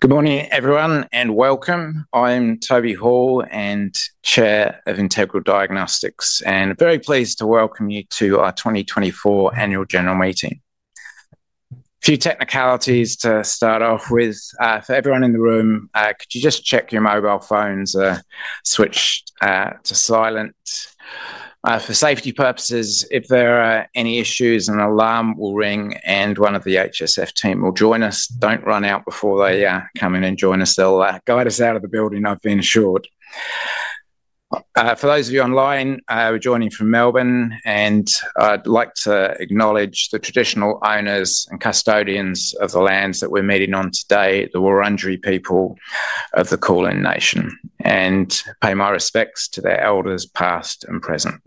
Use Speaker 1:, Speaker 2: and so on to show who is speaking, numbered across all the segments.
Speaker 1: Good morning, everyone, and welcome. I'm Toby Hall, and Chair of Integral Diagnostics, and very pleased to welcome you to our 2024 Annual General Meeting. A few technicalities to start off with. For everyone in the room, could you just check your mobile phones? Switch to silent. For safety purposes, if there are any issues, an alarm will ring, and one of the HSF team will join us. Don't run out before they come in and join us. They'll guide us out of the building, I've been assured. For those of you online, we're joining from Melbourne, and I'd like to acknowledge the traditional owners and custodians of the lands that we're meeting on today, the Wurundjeri people of the Kulin Nation, and pay my respects to their elders past and present.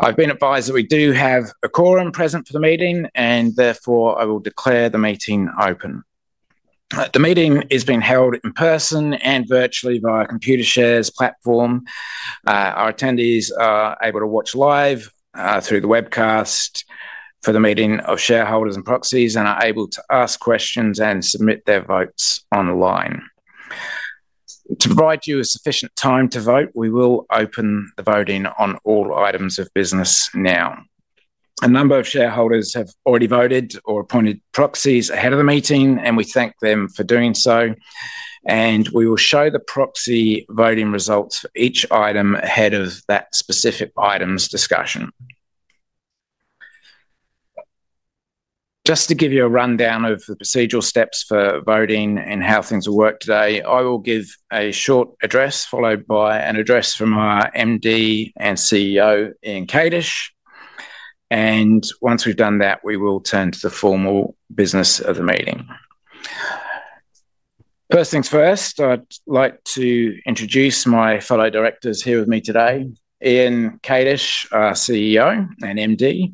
Speaker 1: I've been advised that we do have a quorum present for the meeting, and therefore I will declare the meeting open. The meeting is being held in person and virtually via Computershare platform. Our attendees are able to watch live through the webcast for the meeting of shareholders and proxies and are able to ask questions and submit their votes online. To provide you with sufficient time to vote, we will open the voting on all items of business now. A number of shareholders have already voted or appointed proxies ahead of the meeting, and we thank them for doing so, and we will show the proxy voting results for each item ahead of that specific item's discussion. Just to give you a rundown of the procedural steps for voting and how things will work today, I will give a short address followed by an address from our MD and CEO, Ian Kadish, and once we've done that, we will turn to the formal business of the meeting. First things first, I'd like to introduce my fellow directors here with me today: Ian Kadish, our CEO and MD;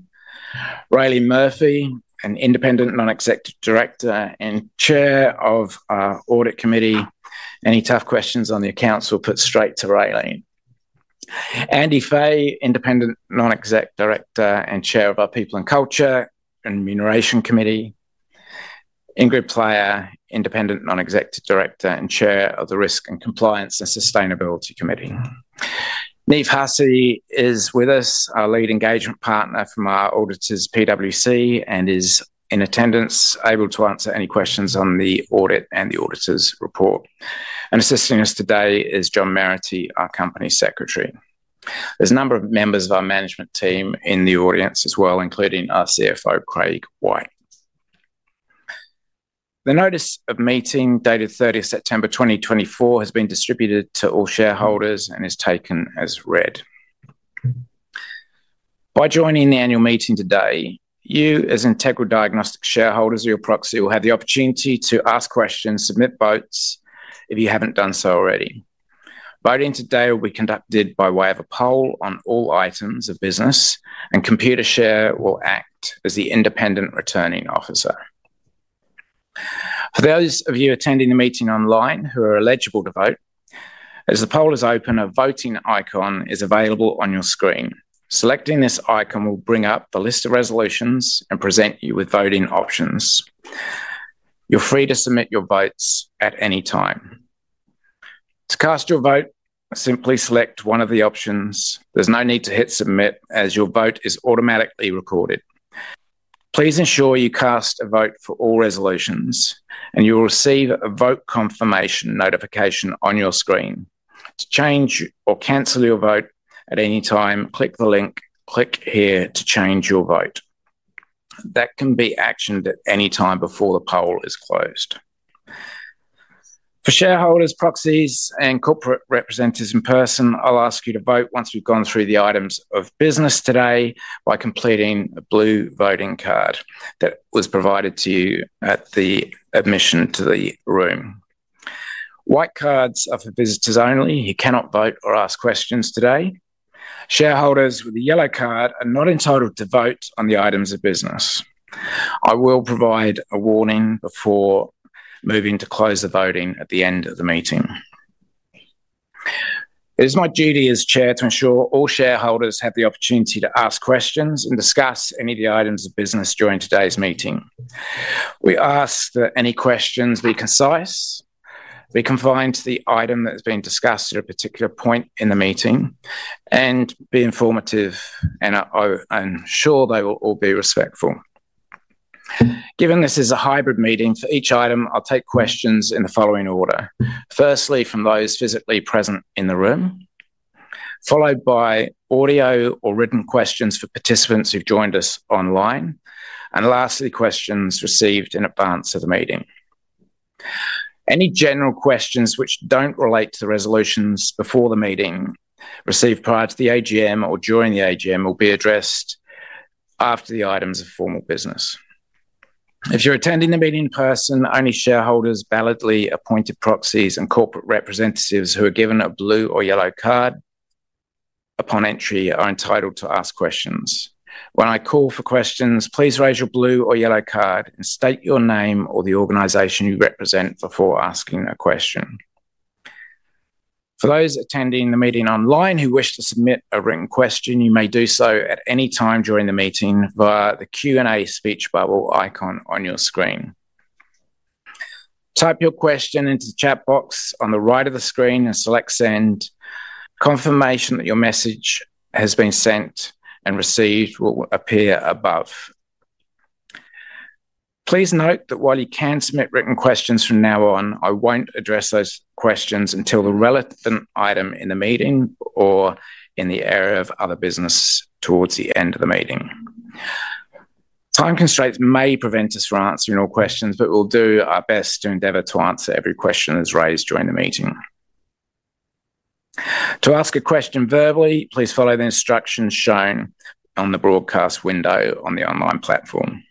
Speaker 1: Raelene Murphy, an independent non-executive director and Chair of our Audit Committee. Any tough questions on the accounts will put straight to Raelene. Andrew Fay, independent non-executive director and Chair of our People and Culture and Remuneration Committee; Ingrid Player, independent non-executive director and Chair of the Risk and Compliance and Sustainability Committee. Niamh Hussey is with us, our lead engagement partner from our auditors, PwC, and is in attendance, able to answer any questions on the audit and the auditor's report. And assisting us today is John Merity, our company secretary. There's a number of members of our management team in the audience as well, including our CFO, Craig White. The Notice of Meeting dated 30 September 2024 has been distributed to all shareholders and is taken as read. By joining the annual meeting today, you as Integral Diagnostics shareholders or your proxy will have the opportunity to ask questions, submit votes if you haven't done so already. Voting today will be conducted by way of a poll on all items of business, and Computershare will act as the independent returning officer. For those of you attending the meeting online who are eligible to vote, as the poll is open, a voting icon is available on your screen. Selecting this icon will bring up the list of resolutions and present you with voting options. You're free to submit your votes at any time. To cast your vote, simply select one of the options. There's no need to hit submit, as your vote is automatically recorded. Please ensure you cast a vote for all resolutions, and you will receive a vote confirmation notification on your screen. To change or cancel your vote at any time, click the link, click here to change your vote. That can be actioned at any time before the poll is closed. For shareholders, proxies, and corporate representatives in person, I'll ask you to vote once we've gone through the items of business today by completing a blue voting card that was provided to you at the admission to the room. White cards are for visitors only. You cannot vote or ask questions today. Shareholders with a yellow card are not entitled to vote on the items of business. I will provide a warning before moving to close the voting at the end of the meeting. It is my duty as chair to ensure all shareholders have the opportunity to ask questions and discuss any of the items of business during today's meeting. We ask that any questions be concise, be confined to the item that has been discussed at a particular point in the meeting, and be informative, and ensure they will all be respectful. Given this is a hybrid meeting, for each item, I'll take questions in the following order. First, from those physically present in the room, followed by audio or written questions for participants who've joined us online, and lastly, questions received in advance of the meeting. Any general questions which don't relate to the resolutions before the meeting, received prior to the AGM or during the AGM, will be addressed after the items of formal business. If you're attending the meeting in person, only shareholders, validly appointed proxies, and corporate representatives who are given a blue or yellow card upon entry are entitled to ask questions. When I call for questions, please raise your blue or yellow card and state your name or the organization you represent before asking a question. For those attending the meeting online who wish to submit a written question, you may do so at any time during the meeting via the Q&A speech bubble icon on your screen. Type your question into the chat box on the right of the screen and select Send. Confirmation that your message has been sent and received will appear above. Please note that while you can submit written questions from now on, I won't address those questions until the relevant item in the meeting or in the area of other business towards the end of the meeting. Time constraints may prevent us from answering all questions, but we'll do our best to endeavor to answer every question that is raised during the meeting. To ask a question verbally, please follow the instructions shown on the broadcast window on the online platform.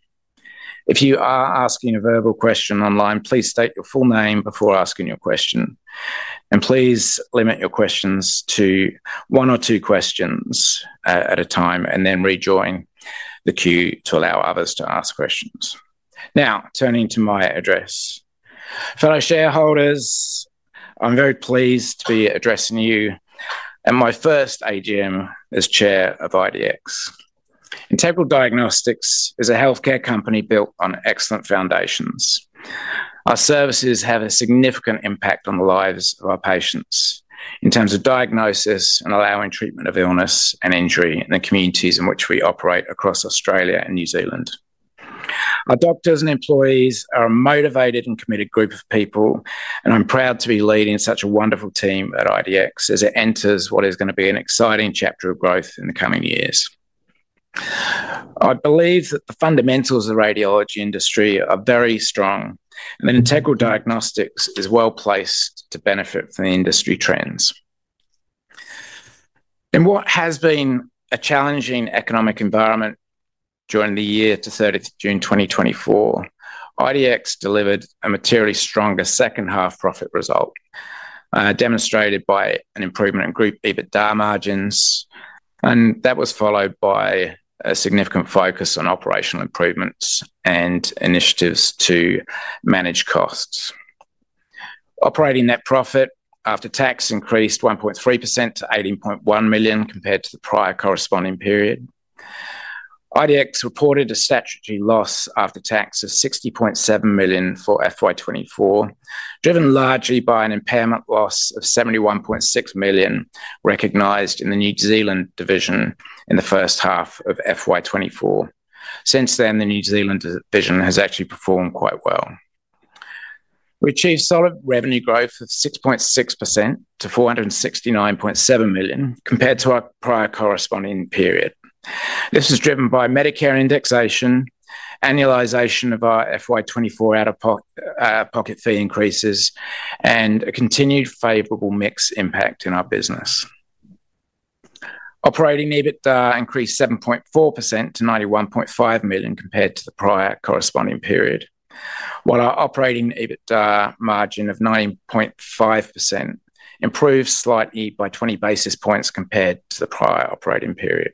Speaker 1: If you are asking a verbal question online, please state your full name before asking your question, and please limit your questions to one or two questions at a time and then rejoin the queue to allow others to ask questions. Now, turning to my address. Fellow shareholders, I'm very pleased to be addressing you at my first AGM as chair of IDX. Integral Diagnostics is a healthcare company built on excellent foundations. Our services have a significant impact on the lives of our patients in terms of diagnosis and allowing treatment of illness and injury in the communities in which we operate across Australia and New Zealand. Our doctors and employees are a motivated and committed group of people, and I'm proud to be leading such a wonderful team at IDX as it enters what is going to be an exciting chapter of growth in the coming years. I believe that the fundamentals of the radiology industry are very strong, and that Integral Diagnostics is well placed to benefit from the industry trends. In what has been a challenging economic environment during the year to 30th June 2024, IDX delivered a materially stronger second-half profit result, demonstrated by an improvement in group EBITDA margins, and that was followed by a significant focus on operational improvements and initiatives to manage costs. Operating net profit after tax increased 1.3% to 18.1 million compared to the prior corresponding period. IDX reported a statutory loss after tax of 60.7 million for FY 2024, driven largely by an impairment loss of 71.6 million recognized in the New Zealand division in the first half of FY 2024. Since then, the New Zealand division has actually performed quite well. We achieved solid revenue growth of 6.6% to 469.7 million compared to our prior corresponding period. This was driven by Medicare indexation, annualization of our FY 2024 out-of-pocket fee increases, and a continued favorable mix impact in our business. Operating EBITDA increased 7.4% to 91.5 million compared to the prior corresponding period, while our operating EBITDA margin of 9.5% improved slightly by 20 basis points compared to the prior operating period.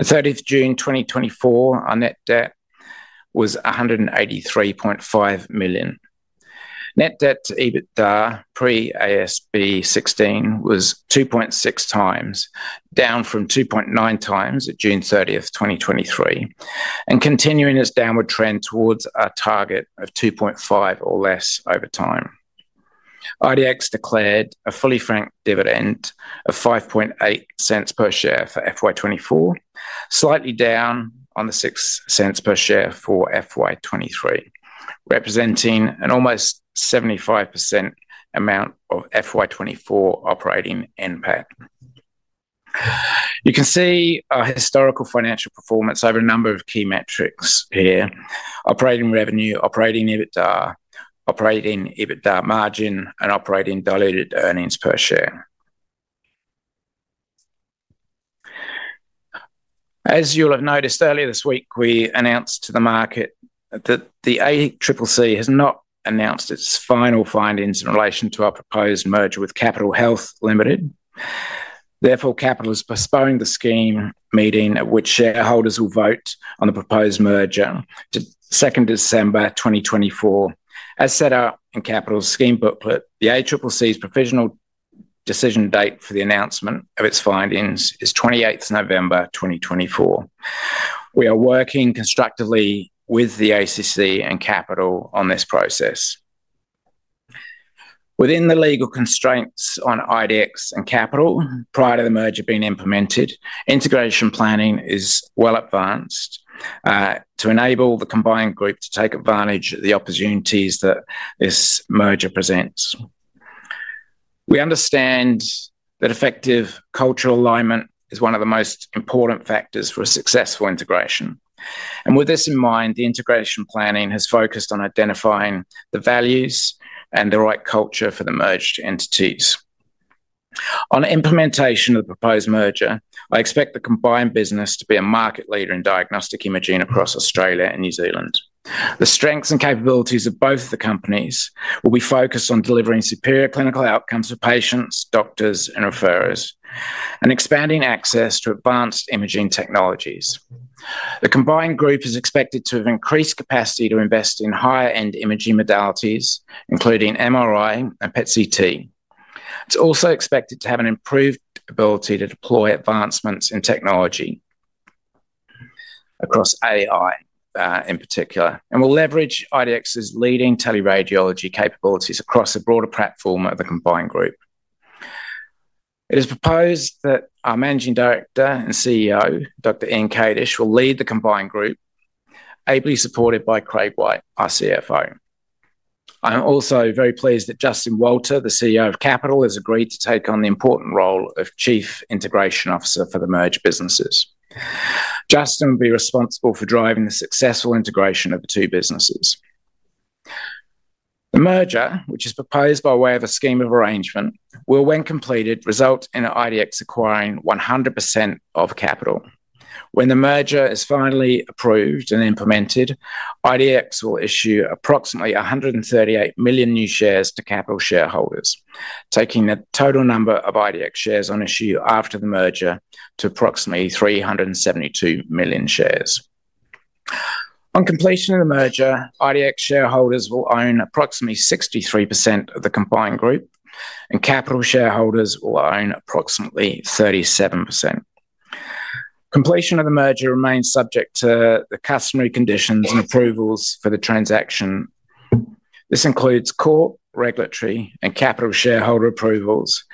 Speaker 1: On 30 June 2024, our net debt was 183.5 million. Net debt to EBITDA pre-AASB 16 was 2.6x, down from 2.9x at June 30th, 2023, and continuing its downward trend towards our target of 2.5 or less over time. IDX declared a fully franked dividend of 0.058 per share for FY 2024, slightly down on the 0.06 per share for FY 2023, representing an almost 75% amount of FY 2024 operating NPAT. You can see our historical financial performance over a number of key metrics here: operating revenue, operating EBITDA, operating EBITDA margin, and operating diluted earnings per share. As you'll have noticed earlier this week, we announced to the market that the ACCC has not announced its final findings in relation to our proposed merger with Capitol Health Limited. Therefore, Capitol is postponing the scheme meeting at which shareholders will vote on the proposed merger to 2nd December 2024. As set out in Capitol's scheme booklet, the ACCC's provisional decision date for the announcement of its findings is 28th November 2024. We are working constructively with the ACCC and Capitol on this process. Within the legal constraints on IDX and Capitol prior to the merger being implemented, integration planning is well advanced to enable the combined group to take advantage of the opportunities that this merger presents. We understand that effective cultural alignment is one of the most important factors for a successful integration. With this in mind, the integration planning has focused on identifying the values and the right culture for the merged entities. On implementation of the proposed merger, I expect the combined business to be a market leader in diagnostic imaging across Australia and New Zealand. The strengths and capabilities of both the companies will be focused on delivering superior clinical outcomes for patients, doctors, and referrers, and expanding access to advanced imaging technologies. The combined group is expected to have increased capacity to invest in higher-end imaging modalities, including MRI and PET-CT. It's also expected to have an improved ability to deploy advancements in technology across AI in particular, and will leverage IDX's leading teleradiology capabilities across the broader platform of the combined group. It is proposed that our Managing Director and CEO, Dr. Ian Kadish, will lead the combined group, ably supported by Craig White, our CFO. I'm also very pleased that Justin Walter, the CEO of Capitol, has agreed to take on the important role of chief integration officer for the merged businesses. Justin will be responsible for driving the successful integration of the two businesses. The merger, which is proposed by way of a scheme of arrangement, will, when completed, result in IDX acquiring 100% of Capitol. When the merger is finally approved and implemented, IDX will issue approximately 138 million new shares to Capitol shareholders, taking the total number of IDX shares on issue after the merger to approximately 372 million shares. On completion of the merger, IDX shareholders will own approximately 63% of the combined group, and Capitol shareholders will own approximately 37%. Completion of the merger remains subject to the customary conditions and approvals for the transaction. This includes court, regulatory, and Capitol shareholder approvals,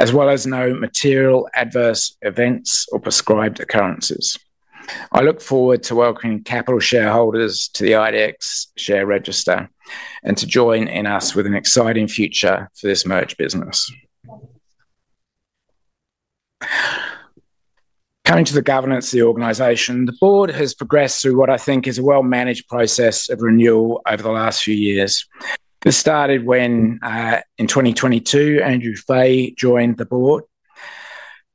Speaker 1: as well as no material adverse events or prescribed occurrences. I look forward to welcoming Capitol shareholders to the IDX share register and to join us in an exciting future for this merged business. Coming to the governance of the organization, the board has progressed through what I think is a well-managed process of renewal over the last few years. This started when in 2022, Andrew Fay joined the board.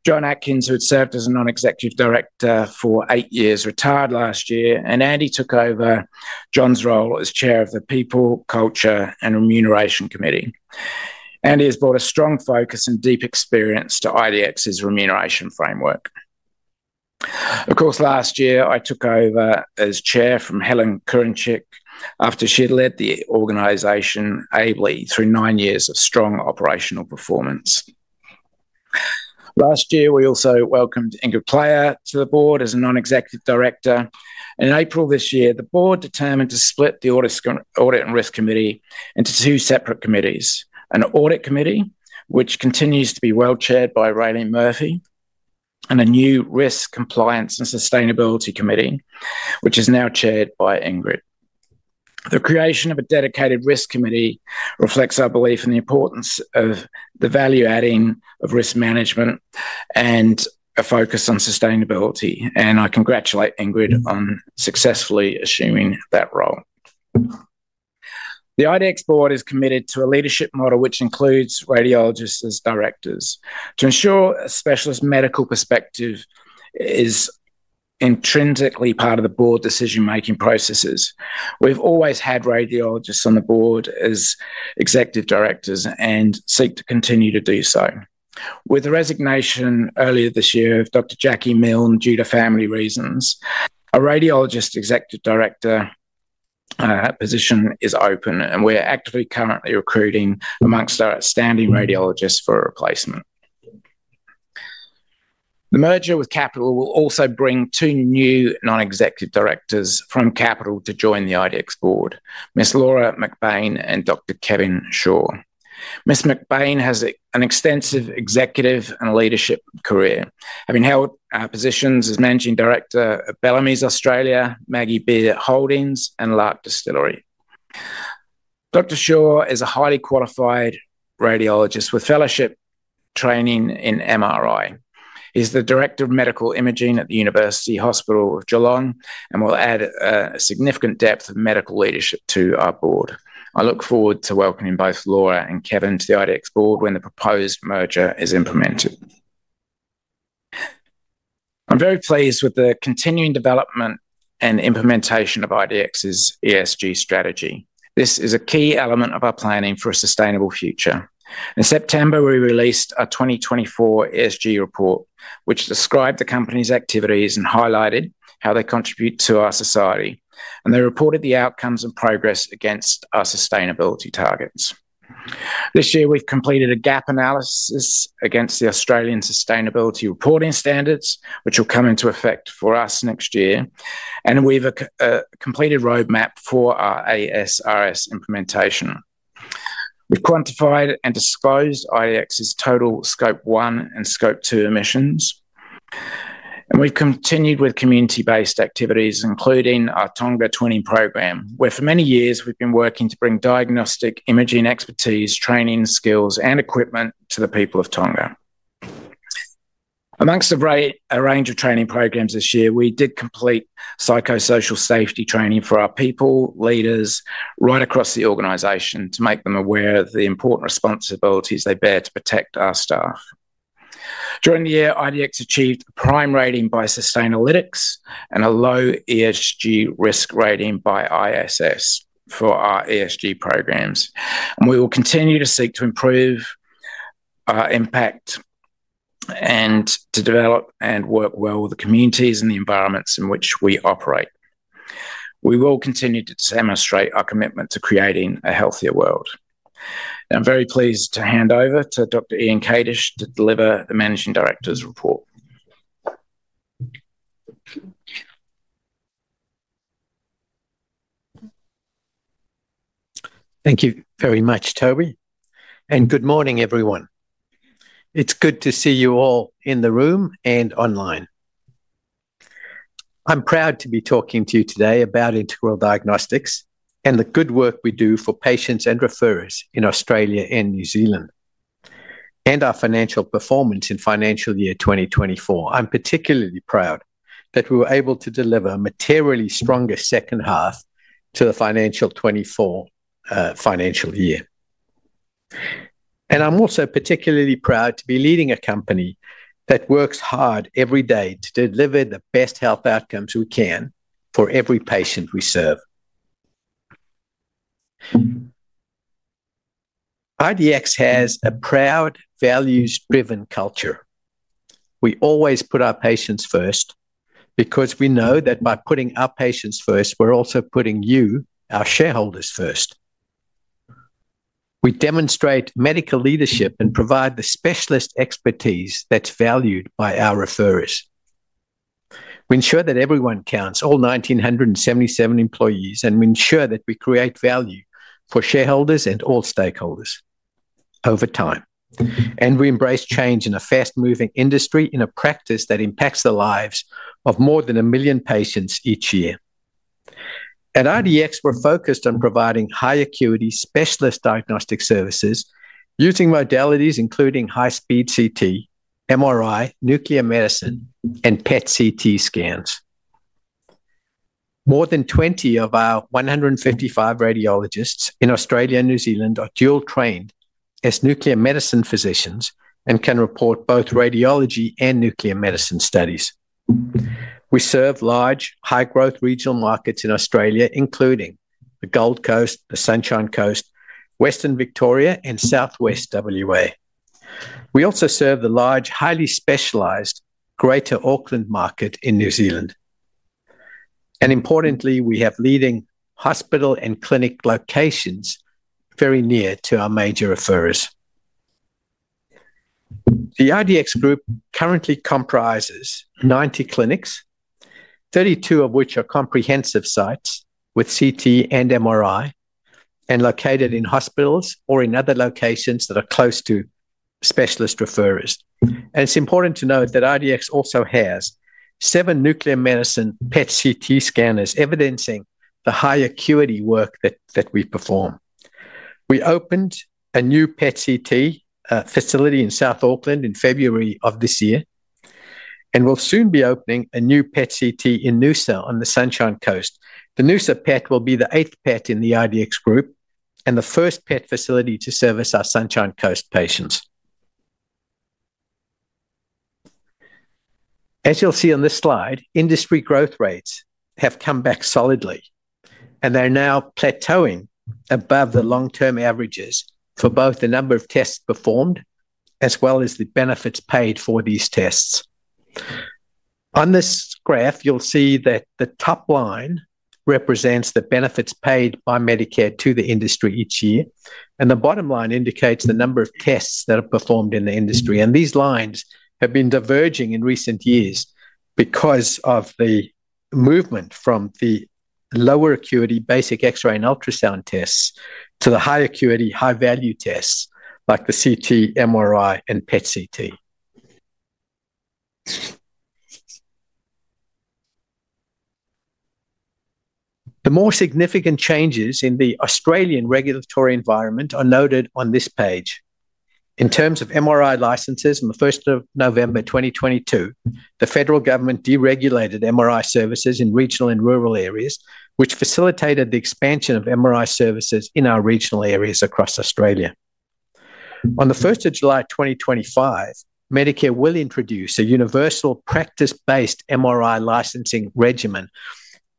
Speaker 1: John Atkin, who had served as a non-executive director for eight years, retired last year, and Andy took over John's role as chair of the People, Culture, and Remuneration Committee. Andy has brought a strong focus and deep experience to IDX's remuneration framework. Of course, last year, I took over as chair from Helen Kurincic after she had led the organization ably through nine years of strong operational performance. Last year, we also welcomed Ingrid Player to the board as a non-executive director. In April this year, the board determined to split the Audit and Risk Committee into two separate committees: an Audit Committee, which continues to be well chaired by Raelene Murphy, and a new Risk, Compliance and Sustainability Committee, which is now chaired by Ingrid. The creation of a dedicated risk committee reflects our belief in the importance of the value-adding of risk management and a focus on sustainability, and I congratulate Ingrid on successfully assuming that role. The IDX board is committed to a leadership model which includes radiologists as directors. To ensure a specialist medical perspective is intrinsically part of the board decision-making processes, we've always had radiologists on the board as executive directors and seek to continue to do so. With the resignation earlier this year of Dr. Jacqui Milne due to family reasons, a radiologist executive director position is open, and we're actively currently recruiting amongst our outstanding radiologists for a replacement. The merger with Capitol will also bring two new non-executive directors from Capitol to join the IDX board: Miss Laura McBain and Dr. Kevin Shaw. Miss McBain has an extensive executive and leadership career, having held positions as managing director at Bellamy's Australia, Maggie Beer Holdings, and Lark Distilling Co. Dr. Shaw is a highly qualified radiologist with fellowship training in MRI. He's the director of medical imaging at the University Hospital Geelong and will add a significant depth of medical leadership to our board. I look forward to welcoming both Laura and Kevin to the IDX board when the proposed merger is implemented. I'm very pleased with the continuing development and implementation of IDX's ESG strategy. This is a key element of our planning for a sustainable future. In September, we released our 2024 ESG report, which described the company's activities and highlighted how they contribute to our society, and they reported the outcomes and progress against our sustainability targets. This year, we've completed a gap analysis against the Australian Sustainability Reporting Standards, which will come into effect for us next year, and we've completed a roadmap for our ASRS implementation. We've quantified and disclosed IDX's total Scope 1 and Scope 2 emissions, and we've continued with community-based activities, including our Tonga Twinning Program, where for many years we've been working to bring diagnostic imaging expertise, training skills, and equipment to the people of Tonga. Among a range of training programs this year, we did complete psychosocial safety training for our people, leaders, right across the organization to make them aware of the important responsibilities they bear to protect our staff. During the year, IDX achieved a prime rating by Sustainalytics and a low ESG risk rating by ISS for our ESG programs, and we will continue to seek to improve our impact and to develop and work well with the communities and the environments in which we operate. We will continue to demonstrate our commitment to creating a healthier world. I'm very pleased to hand over to Dr. Ian Kadish to deliver the Managing Director's report.
Speaker 2: Thank you very much, Toby, and good morning, everyone. It's good to see you all in the room and online. I'm proud to be talking to you today about Integral Diagnostics and the good work we do for patients and referrers in Australia and New Zealand and our financial performance in financial year 2024. I'm particularly proud that we were able to deliver a materially stronger second half to the financial 2024 financial year. And I'm also particularly proud to be leading a company that works hard every day to deliver the best health outcomes we can for every patient we serve. IDX has a proud, values-driven culture. We always put our patients first because we know that by putting our patients first, we're also putting you, our shareholders, first. We demonstrate medical leadership and provide the specialist expertise that's valued by our referrers. We ensure that everyone counts, all 1,977 employees, and we ensure that we create value for shareholders and all stakeholders over time, and we embrace change in a fast-moving industry in a practice that impacts the lives of more than a million patients each year. At IDX, we're focused on providing high-acuity specialist diagnostic services using modalities including high-speed CT, MRI, nuclear medicine, and PET-CT scans. More than 20 of our 155 radiologists in Australia and New Zealand are dual-trained as nuclear medicine physicians and can report both radiology and nuclear medicine studies. We serve large, high-growth regional markets in Australia, including the Gold Coast, the Sunshine Coast, Western Victoria, and Southwest WA. We also serve the large, highly specialized Greater Auckland market in New Zealand. Importantly, we have leading hospital and clinic locations very near to our major referrers. The IDX group currently comprises 90 clinics, 32 clinics of which are comprehensive sites with CT and MRI, and located in hospitals or in other locations that are close to specialist referrers. It's important to note that IDX also has seven nuclear medicine PET-CT scanners evidencing the high-acuity work that we perform. We opened a new PET-CT facility in South Auckland in February of this year and will soon be opening a new PET-CT in Noosa on the Sunshine Coast. The Noosa PET will be the eighth PET in the IDX group and the first PET facility to service our Sunshine Coast patients. As you'll see on this slide, industry growth rates have come back solidly, and they're now plateauing above the long-term averages for both the number of tests performed as well as the benefits paid for these tests. On this graph, you'll see that the top line represents the benefits paid by Medicare to the industry each year, and the bottom line indicates the number of tests that are performed in the industry, and these lines have been diverging in recent years because of the movement from the lower acuity basic X-ray and ultrasound tests to the high-acuity, high-value tests like the CT, MRI, and PET-CT. The more significant changes in the Australian regulatory environment are noted on this page. In terms of MRI licenses, on the 1st of November 2022, the federal government deregulated MRI services in regional and rural areas, which facilitated the expansion of MRI services in our regional areas across Australia. On the 1st of July 2025, Medicare will introduce a universal practice-based MRI licensing regimen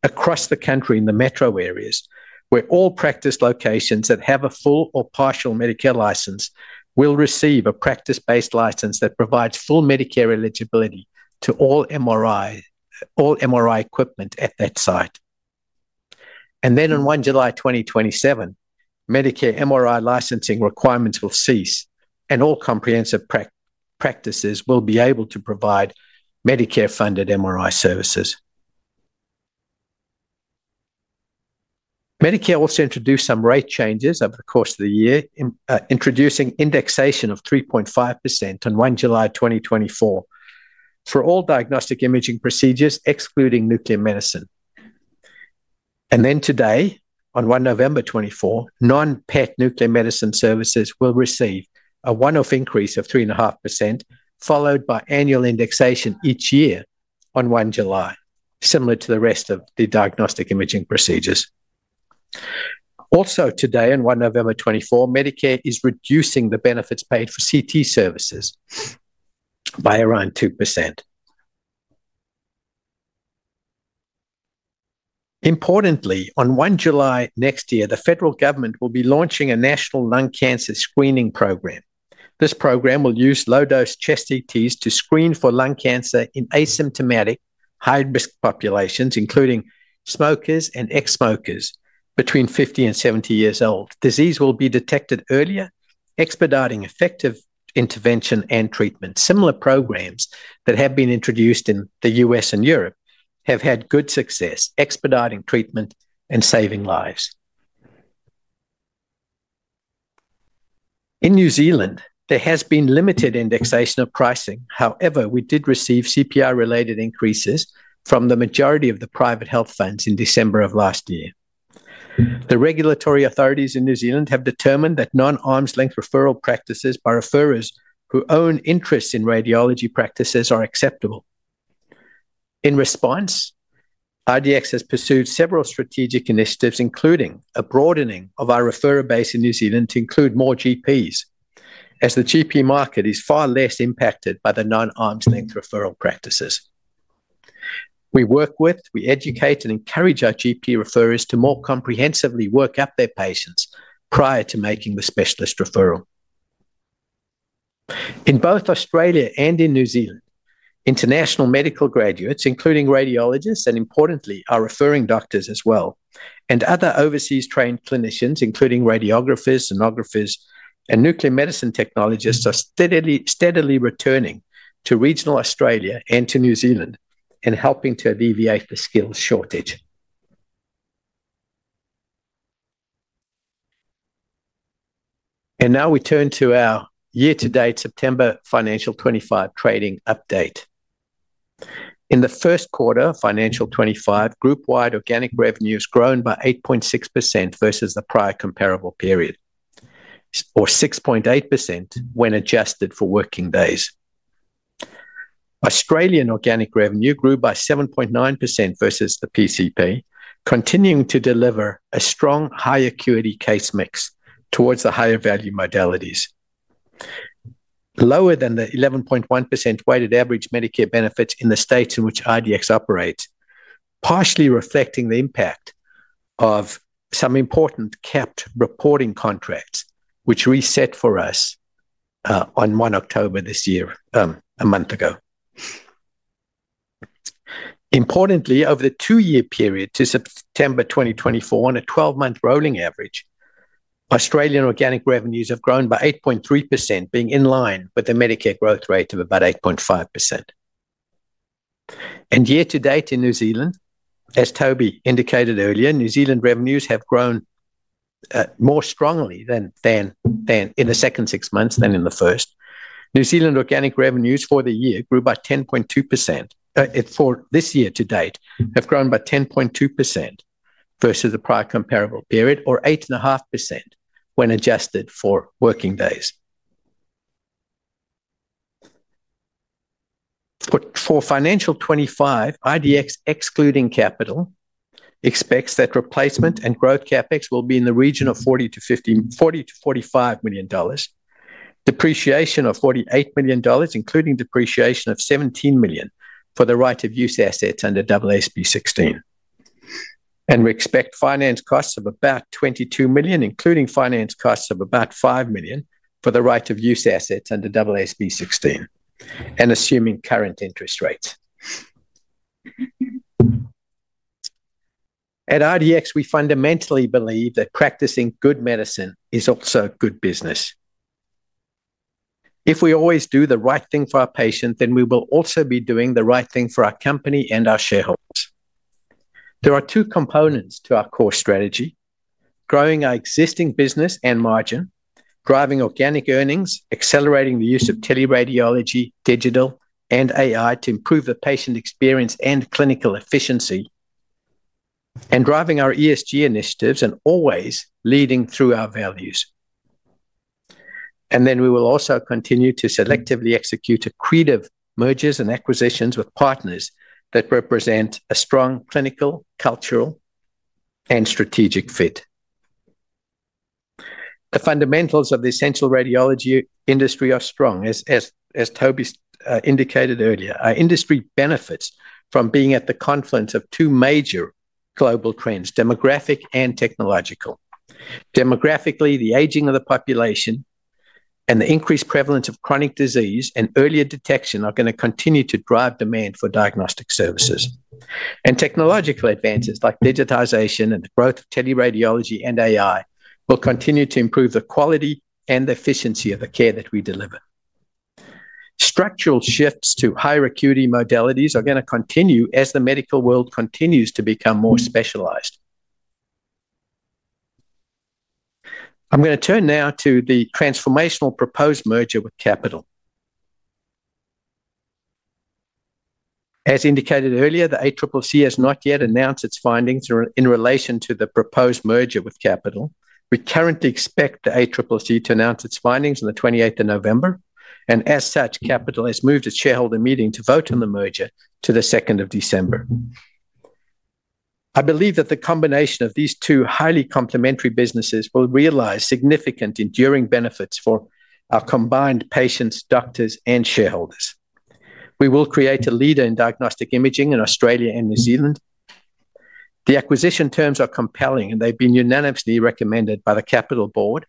Speaker 2: across the country in the metro areas, where all practice locations that have a full or partial Medicare license will receive a practice-based license that provides full Medicare eligibility to all MRI equipment at that site, and then on 1 July 2027, Medicare MRI licensing requirements will cease, and all comprehensive practices will be able to provide Medicare-funded MRI services. Medicare also introduced some rate changes over the course of the year, introducing indexation of 3.5% on 1 July 2024 for all diagnostic imaging procedures, excluding nuclear medicine. Then today, on 1 November 2024, non-PET nuclear medicine services will receive a one-off increase of 3.5%, followed by annual indexation each year on 1 July, similar to the rest of the diagnostic imaging procedures. Also today, on 1 November 2024, Medicare is reducing the benefits paid for CT services by around 2%. Importantly, on 1 July next year, the federal government will be launching a National Lung Cancer Screening Program. This program will use low-dose chest CTs to screen for lung cancer in asymptomatic, high-risk populations, including smokers and ex-smokers between 50 and 70 years old. Disease will be detected earlier, expediting effective intervention and treatment. Similar programs that have been introduced in the U.S. and Europe have had good success, expediting treatment and saving lives. In New Zealand, there has been limited indexation of pricing. However, we did receive CPI-related increases from the majority of the private health funds in December of last year. The regulatory authorities in New Zealand have determined that non-arm's-length referral practices by referrers who own interests in radiology practices are acceptable. In response, IDX has pursued several strategic initiatives, including a broadening of our referrer base in New Zealand to include more GPs, as the GP market is far less impacted by the non-arm's-length referral practices. We work with, we educate, and encourage our GP referrers to more comprehensively work up their patients prior to making the specialist referral. In both Australia and in New Zealand, international medical graduates, including radiologists, and importantly, our referring doctors as well, and other overseas-trained clinicians, including radiographers, sonographers, and nuclear medicine technologists, are steadily returning to regional Australia and to New Zealand and helping to alleviate the skills shortage. And now we turn to our year-to-date September financial 2025 trading update. In the first quarter of financial 2025, group-wide organic revenue has grown by 8.6% versus the prior comparable period, or 6.8% when adjusted for working days. Australian organic revenue grew by 7.9% versus the PCP, continuing to deliver a strong, high-acuity case mix towards the higher-value modalities, lower than the 11.1% weighted average Medicare benefits in the states in which IDX operates, partially reflecting the impact of some important capped reporting contracts, which we set for us on 1 October this year, a month ago. Importantly, over the two-year period to September 2024, on a 12-month rolling average, Australian organic revenues have grown by 8.3%, being in line with the Medicare growth rate of about 8.5%. Year-to-date in New Zealand, as Toby indicated earlier, New Zealand revenues have grown more strongly than in the second six months than in the first. New Zealand organic revenues for the year grew by 10.2%. For this year to date, they have grown by 10.2% versus the prior comparable period, or 8.5% when adjusted for working days. For financial 2025, IDX, excluding capital, expects that replacement and growth CapEx will be in the region of 40 million- 45 million dollars, depreciation of 48 million dollars, including depreciation of 17 million for the right-of-use assets under AASB 16. We expect finance costs of about 22 million, including finance costs of about 5 million for the right-of-use assets under AASB 16, and assuming current interest rates. At IDX, we fundamentally believe that practicing good medicine is also good business. If we always do the right thing for our patients, then we will also be doing the right thing for our company and our shareholders. There are two components to our core strategy: growing our existing business and margin, driving organic earnings, accelerating the use of teleradiology, digital, and AI to improve the patient experience and clinical efficiency, and driving our ESG initiatives and always leading through our values. And then we will also continue to selectively execute accretive mergers and acquisitions with partners that represent a strong clinical, cultural, and strategic fit. The fundamentals of the essential radiology industry are strong, as Toby indicated earlier. Our industry benefits from being at the confluence of two major global trends: demographic and technological. Demographically, the aging of the population and the increased prevalence of chronic disease and earlier detection are going to continue to drive demand for diagnostic services. Technological advances like digitization and the growth of teleradiology and AI will continue to improve the quality and the efficiency of the care that we deliver. Structural shifts to higher acuity modalities are going to continue as the medical world continues to become more specialized. I'm going to turn now to the transformational proposed merger with Capitol. As indicated earlier, the ACCC has not yet announced its findings in relation to the proposed merger with Capitol. We currently expect the ACCC to announce its findings on the 28th of November. And as such, Capitol has moved its shareholder meeting to vote on the merger to the 2nd of December. I believe that the combination of these two highly complementary businesses will realize significant enduring benefits for our combined patients, doctors, and shareholders. We will create a leader in diagnostic imaging in Australia and New Zealand. The acquisition terms are compelling, and they've been unanimously recommended by the Capitol board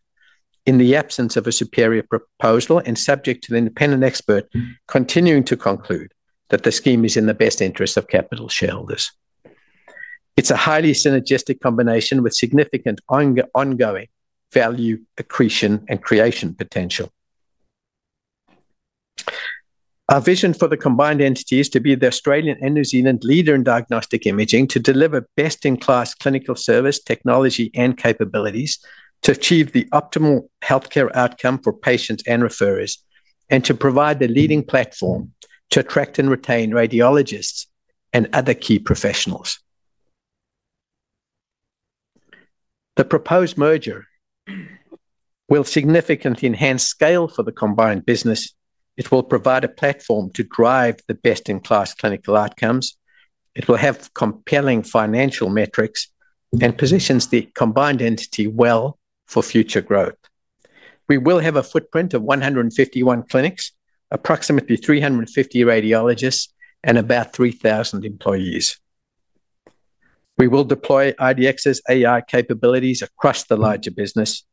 Speaker 2: in the absence of a superior proposal and subject to the independent expert continuing to conclude that the scheme is in the best interest of Capitol shareholders. It's a highly synergistic combination with significant ongoing value accretion and creation potential. Our vision for the combined entity is to be the Australian and New Zealand leader in diagnostic imaging to deliver best-in-class clinical service, technology, and capabilities to achieve the optimal healthcare outcome for patients and referrers, and to provide the leading platform to attract and retain radiologists and other key professionals. The proposed merger will significantly enhance scale for the combined business. It will provide a platform to drive the best-in-class clinical outcomes. It will have compelling financial metrics and positions the combined entity well for future growth. We will have a footprint of 151 clinics, approximately 350 radiologists, and about 3,000 employees. We will deploy IDXT's AI capabilities across the larger business.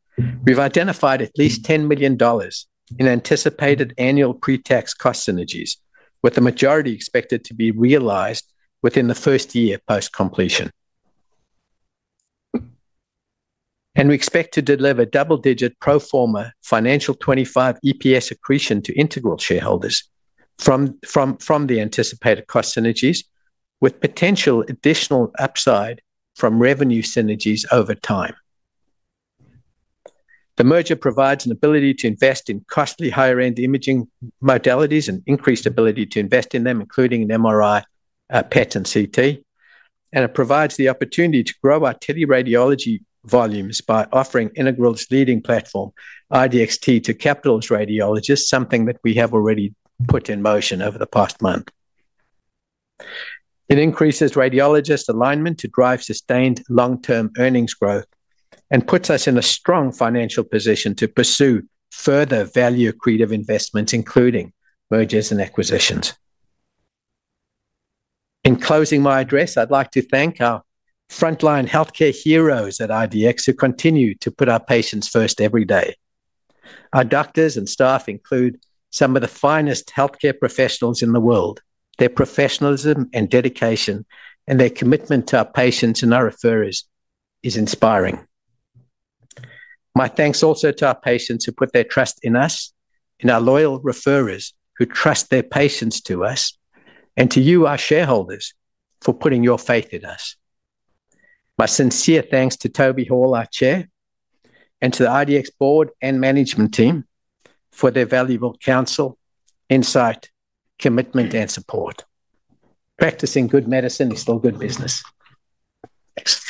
Speaker 2: We've identified at least 10 million dollars in anticipated annual pre-tax cost synergies, with the majority expected to be realized within the first year post-completion. And we expect to deliver double-digit pro forma financial 2025 EPS accretion to Integral shareholders from the anticipated cost synergies, with potential additional upside from revenue synergies over time. The merger provides an ability to invest in costly higher-end imaging modalities and increased ability to invest in them, including an MRI, PET, and CT. And it provides the opportunity to grow our teleradiology volumes by offering Integral's leading platform, IDXT, to Capitol's radiologists, something that we have already put in motion over the past month. It increases radiologists' alignment to drive sustained long-term earnings growth and puts us in a strong financial position to pursue further value-accretive investments, including mergers and acquisitions. In closing my address, I'd like to thank our frontline healthcare heroes at IDX who continue to put our patients first every day. Our doctors and staff include some of the finest healthcare professionals in the world. Their professionalism and dedication and their commitment to our patients and our referrers is inspiring. My thanks also to our patients who put their trust in us, in our loyal referrers who trust their patients to us, and to you, our shareholders, for putting your faith in us. My sincere thanks to Toby Hall, our Chair, and to the IDX board and management team for their valuable counsel, insight, commitment, and support. Practicing good medicine is still good business. Thanks.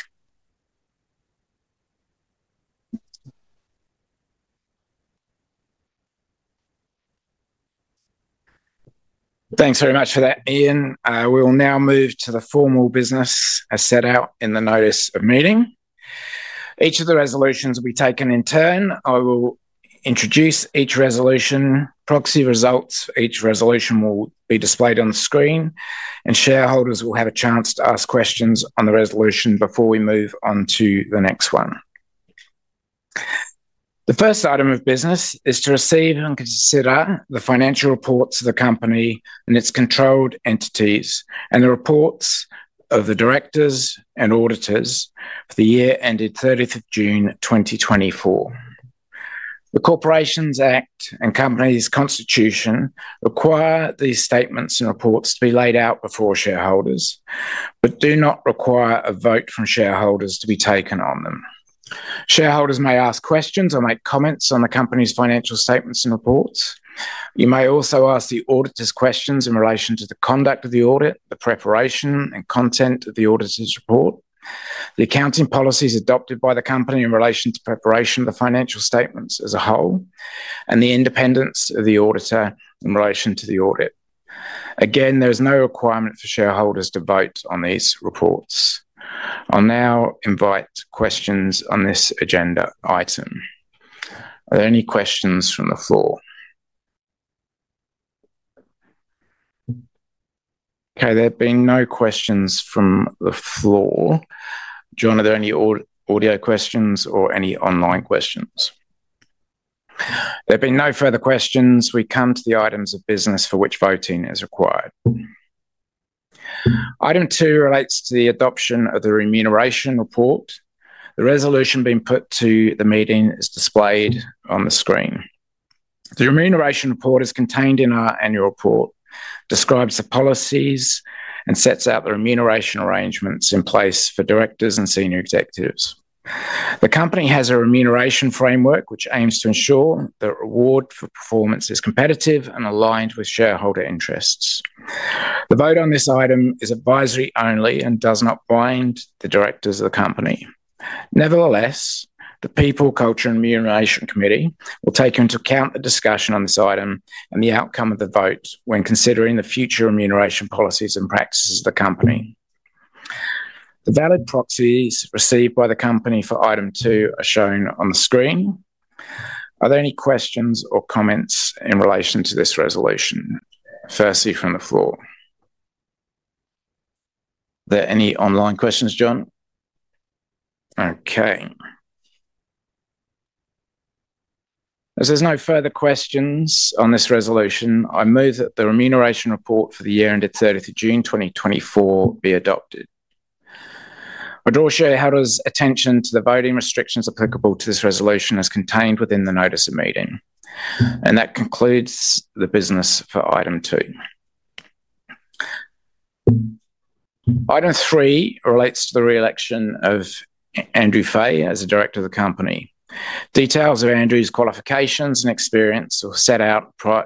Speaker 1: Thanks very much for that, Ian. We will now move to the formal business as set out in the Notice of Meeting. Each of the resolutions will be taken in turn. I will introduce each resolution. Proxy results for each resolution will be displayed on the screen, and shareholders will have a chance to ask questions on the resolution before we move on to the next one. The first item of business is to receive and consider the financial reports of the company and its controlled entities and the reports of the directors and auditors for the year ended 30th of June, 2024. The Corporations Act and Company's Constitution require these statements and reports to be laid out before shareholders, but do not require a vote from shareholders to be taken on them. Shareholders may ask questions or make comments on the company's financial statements and reports. You may also ask the auditors questions in relation to the conduct of the audit, the preparation and content of the auditor's report, the accounting policies adopted by the company in relation to preparation of the financial statements as a whole, and the independence of the auditor in relation to the audit. Again, there is no requirement for shareholders to vote on these reports. I'll now invite questions on this agenda item. Are there any questions from the floor? Okay, there have been no questions from the floor. John, are there any audio questions or any online questions? There have been no further questions. We come to the items of business for which voting is required. Item two relates to the adoption of the Remuneration Report. The resolution being put to the meeting is displayed on the screen. The Remuneration Report is contained in our Annual Report, describes the policies, and sets out the remuneration arrangements in place for directors and senior executives. The company has a remuneration framework which aims to ensure that reward for performance is competitive and aligned with shareholder interests. The vote on this item is advisory only and does not bind the directors of the company. Nevertheless, the People, Culture, and Remuneration Committee will take into account the discussion on this item and the outcome of the vote when considering the future remuneration policies and practices of the company. The valid proxies received by the company for item two are shown on the screen. Are there any questions or comments in relation to this resolution? Firstly from the floor. Are there any online questions, John? Okay. As there's no further questions on this resolution, I move that the Remuneration Report for the year ended 30th of June, 2024, be adopted. I'd also draw your attention to the voting restrictions applicable to this resolution, which is contained within the Notice of Meeting, and that concludes the business for item two. Item three relates to the re-election of Andrew Fay as a director of the company. Details of Andrew's qualifications and experience were set out prior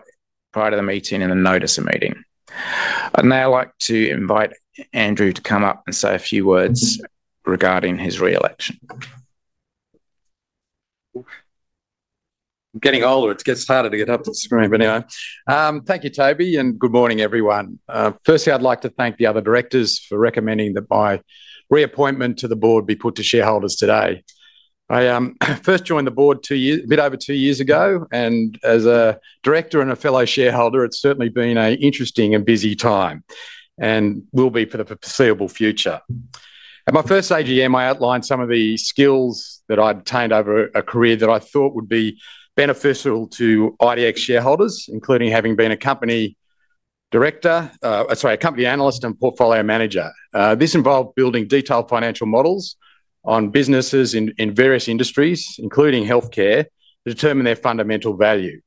Speaker 1: to the meeting in the Notice of Meeting. I'd now like to invite Andrew to come up and say a few words regarding his re-election.
Speaker 3: Getting older, it gets harder to get up to the screen anyway. Thank you, Toby, and good morning, everyone. Firstly, I'd like to thank the other directors for recommending that my reappointment to the board be put to shareholders today. I first joined the board a bit over two years ago, and as a director and a fellow shareholder, it's certainly been an interesting and busy time and will be for the foreseeable future. At my first AGM, I outlined some of the skills that I'd attained over a career that I thought would be beneficial to IDX shareholders, including having been a company director, sorry, a company analyst and portfolio manager. This involved building detailed financial models on businesses in various industries, including healthcare, to determine their fundamental value.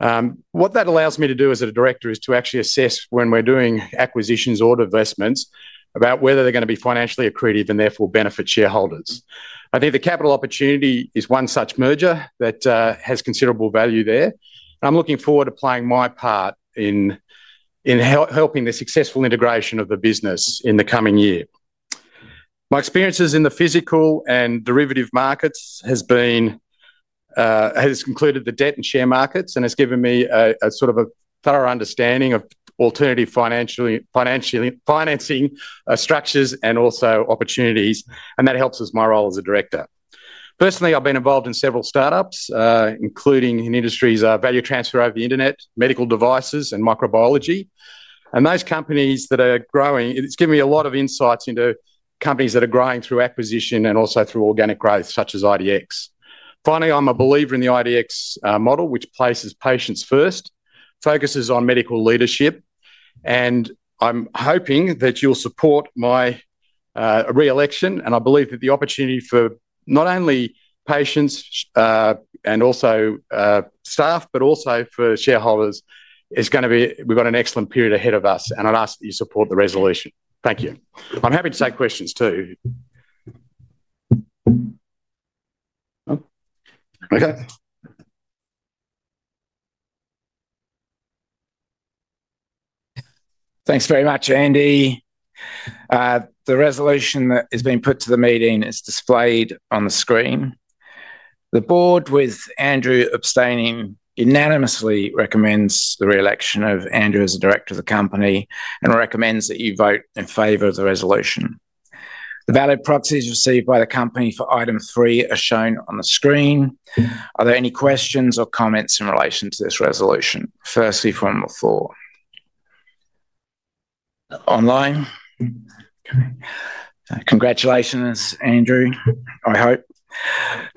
Speaker 3: What that allows me to do as a director is to actually assess when we're doing acquisitions or divestments about whether they're going to be financially accretive and therefore benefit shareholders. I think the Capitol opportunity is one such merger that has considerable value there. I'm looking forward to playing my part in helping the successful integration of the business in the coming year. My experiences in the physical and derivative markets have included the debt and share markets and has given me a sort of a thorough understanding of alternative financing structures and also opportunities, and that helps with my role as a director. Personally, I've been involved in several startups, including in industries of value transfer over the internet, medical devices, and microbiology and those companies that are growing, it's given me a lot of insights into companies that are growing through acquisition and also through organic growth, such as IDX. Finally, I'm a believer in the IDX model, which places patients first, focuses on medical leadership, and I'm hoping that you'll support my re-election. I believe that the opportunity for not only patients and also staff, but also for shareholders, is going to be. We've got an excellent period ahead of us, and I'd ask that you support the resolution. Thank you. I'm happy to take questions too.
Speaker 1: Okay. Thanks very much, Andy. The resolution that has been put to the meeting is displayed on the screen. The board, with Andrew abstaining, unanimously recommends the re-election of Andrew as a director of the company and recommends that you vote in favor of the resolution. The valid proxies received by the company for item three are shown on the screen. Are there any questions or comments in relation to this resolution? Firstly from the floor. Online? Okay. Congratulations, Andrew. I hope.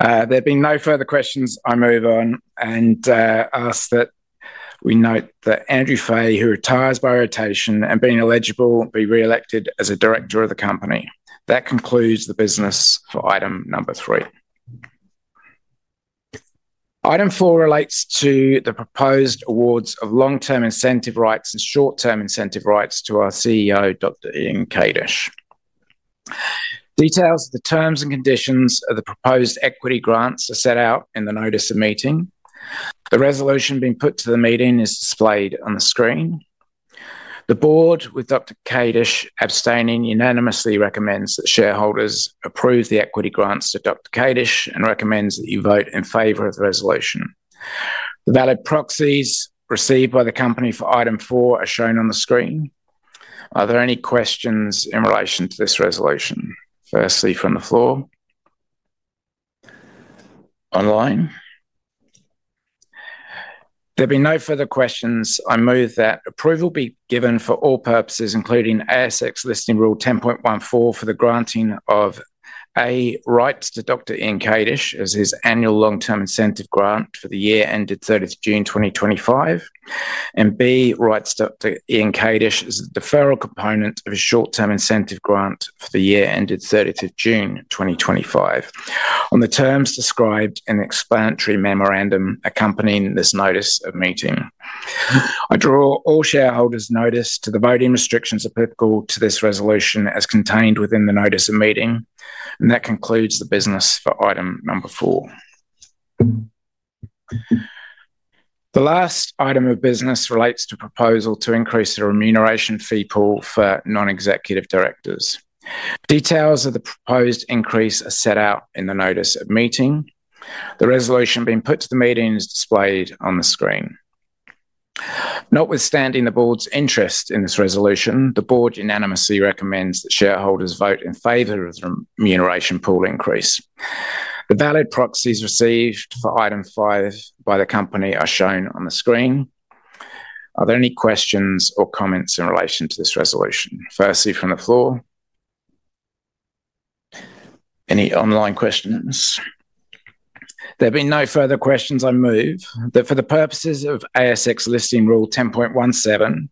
Speaker 1: There have been no further questions. I move on and ask that we note that Andrew Fay, who retires by rotation and being eligible, be re-elected as a director of the company. That concludes the business for item number three. Item four relates to the proposed awards of long-term incentive rights and short-term incentive rights to our CEO, Dr. Ian Kadish. Details of the terms and conditions of the proposed equity grants are set out in the Notice of Meeting. The resolution being put to the meeting is displayed on the screen. The board, with Dr. Kadish abstaining, unanimously recommends that shareholders approve the equity grants to Dr. Kadish and recommends that you vote in favor of the resolution. The valid proxies received by the company for item four are shown on the screen. Are there any questions in relation to this resolution? Firstly from the floor. Online? There have been no further questions. I move that approval be given for all purposes, including ASX Listing Rule 10.14 for the granting of A, rights to Dr. Ian Kadish as his annual long-term incentive grant for the year ended 30th of June, 2025, and B, rights to Dr. Ian Kadish as the deferral component of his short-term incentive grant for the year ended 30th of June, 2025, on the terms described in the explanatory memorandum accompanying this Notice of Meeting. I draw all shareholders' notice to the voting restrictions applicable to this resolution as contained within the Notice of Meeting, and that concludes the business for item number four. The last item of business relates to a proposal to increase the remuneration fee pool for non-executive directors. Details of the proposed increase are set out in the Notice of Meeting. The resolution being put to the meeting is displayed on the screen. Notwithstanding the board's interest in this resolution, the board unanimously recommends that shareholders vote in favor of the remuneration pool increase. The valid proxies received for item five by the company are shown on the screen. Are there any questions or comments in relation to this resolution? Firstly from the floor. Any online questions? There have been no further questions. I move that for the purposes of ASX Listing Rule 10.17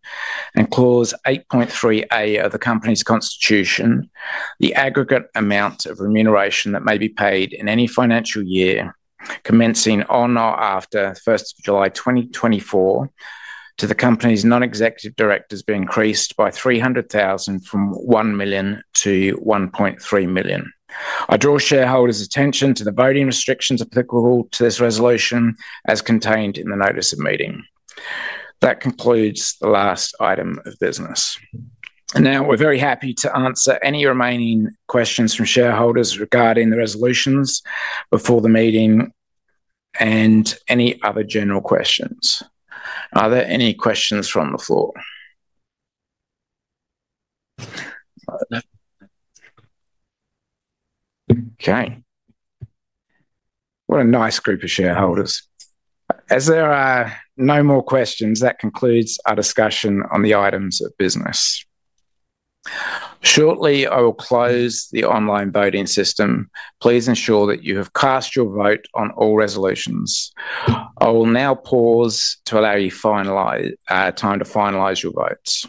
Speaker 1: and clause 8.3A of the Company's Constitution, the aggregate amount of remuneration that may be paid in any financial year commencing on or after 1st of July, 2024, to the company's non-executive directors be increased by 300,000 from 1 million to 1.3 million. I draw shareholders' attention to the voting restrictions applicable to this resolution as contained in the Notice of Meeting. That concludes the last item of business. Now we're very happy to answer any remaining questions from shareholders regarding the resolutions before the meeting and any other general questions. Are there any questions from the floor? Okay. What a nice group of shareholders. As there are no more questions, that concludes our discussion on the items of business. Shortly, I will close the online voting system. Please ensure that you have cast your vote on all resolutions. I will now pause to allow you time to finalize your votes.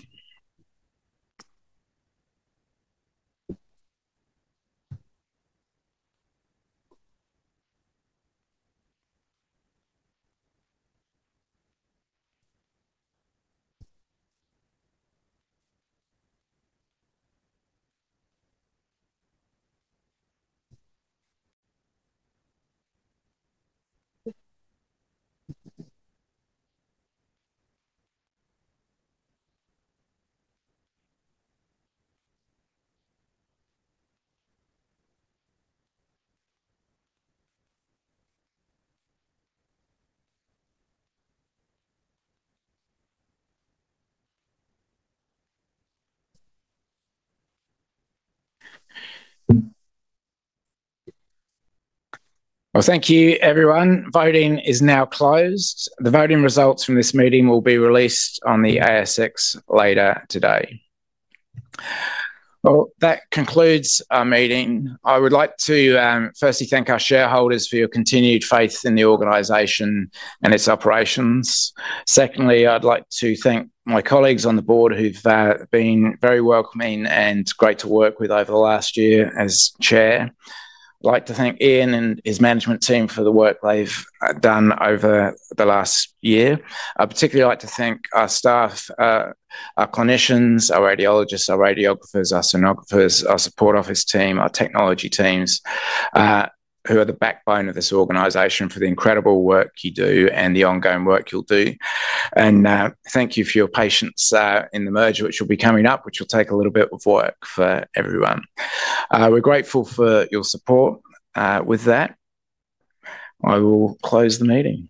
Speaker 1: Thank you, everyone. Voting is now closed. The voting results from this meeting will be released on the ASX later today. That concludes our meeting. I would like to firstly thank our shareholders for your continued faith in the organization and its operations. Secondly, I'd like to thank my colleagues on the board who've been very welcoming and great to work with over the last year as chair. I'd like to thank Ian and his management team for the work they've done over the last year. I'd particularly like to thank our staff, our clinicians, our radiologists, our radiographers, our sonographers, our support office team, our technology teams, who are the backbone of this organization for the incredible work you do and the ongoing work you'll do. And thank you for your patience in the merger, which will be coming up, which will take a little bit of work for everyone. We're grateful for your support with that. I will close the meeting.